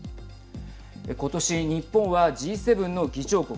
今年、日本はＧ７の議長国。